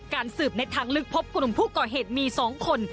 สืบในทางลึกพบกลุ่มผู้ก่อเหตุมี๒คน